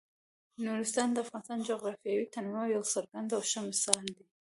نورستان د افغانستان د جغرافیوي تنوع یو څرګند او ښه مثال دی.